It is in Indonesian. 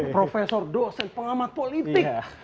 profesor dosen pengamat politik